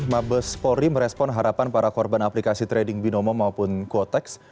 mabespori merespon harapan para korban aplikasi trading binomo maupun quotex